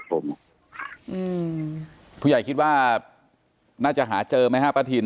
ได้กลุ่มภูมิว่าน่าจะหาเจอไหมฮะประทิณฏ์